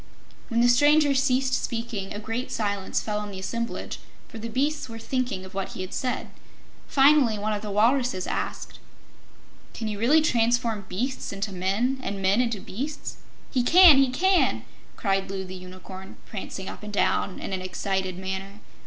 When the stranger ceased speaking, a great silence fell on the assemblage, for the beasts were thinking of what he had said. Finally one of the walruses asked: "Can you really transform beasts into men, and men into beasts?" "He can he can!" cried Loo the Unicorn, prancing up and down in an excited manner.